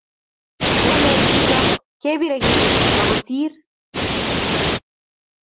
ngolel chitok kepirei kitikin makosir